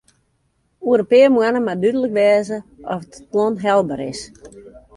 Oer in pear moanne moat dúdlik wêze oft it plan helber is.